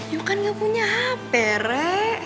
yuh kan gak punya hape re